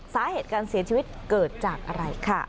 สาเหตุการเสียชีวิตเกิดจากอะไรค่ะ